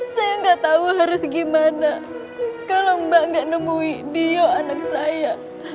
saya gak tahu harus gimana kalau mbak gak nemui dio anak saya